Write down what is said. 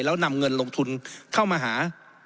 แล้วนำเงินลงทุนเข้ามาหา